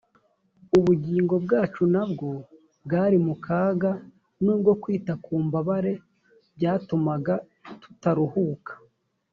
ubugingo bwacu na bwo bwari mu kaga n’ubwo kwita ku mbabare byatumaga tutaruhuka